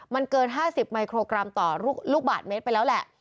มันเกิน๕๐มิโครกรัมต่อลูกบาทเมตรไปแล้วแหละ